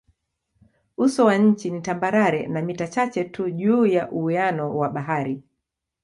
Uso wa nchi ni tambarare na mita chache tu juu ya uwiano wa bahari.